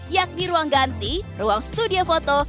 yakni ruang ganti ruang studio foto